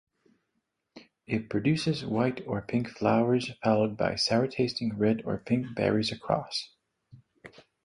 It produces white or pink flowers followed by sour-tasting red or pink berries across.